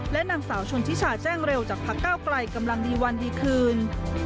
และนางสาวชนทิชาแจ้งเร็วจากพักเก้าไกลกำลังดีวันดีคืน